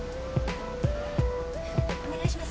お願いします。